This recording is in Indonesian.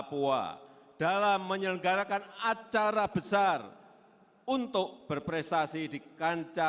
pond ke dua puluh papua